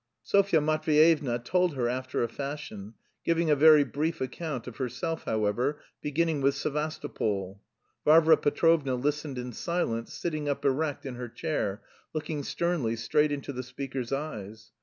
Sofya Matveyevna told her after a fashion, giving a very brief account of herself, however, beginning with Sevastopol. Varvara Petrovna listened in silence, sitting up erect in her chair, looking sternly straight into the speaker's eyes.